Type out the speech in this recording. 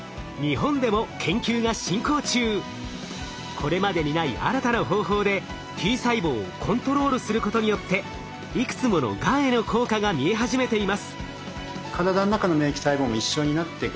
これまでにない新たな方法でＴ細胞をコントロールすることによっていくつものがんへの効果が見え始めています。